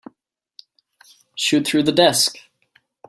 Shoot through the desk.